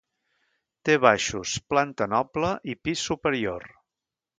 Té baixos, planta noble i pis superior.